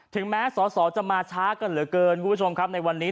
แม้สอสอจะมาช้ากันเหลือเกินคุณผู้ชมครับในวันนี้